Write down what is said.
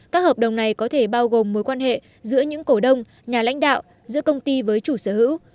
các hợp đồng này có thể bao gồm mối quan hệ giữa những cổ đông nhà lãnh đạo giữa công ty với chủ sở hữu